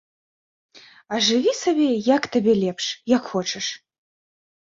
А жыві сабе, як табе лепш, як хочаш.